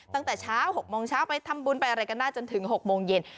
ตั้งแต่เช้า๖โมงเช้าไปทำบุญไปอะไรกันได้จนถึง๖โมงเย็น